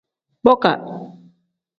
Boka.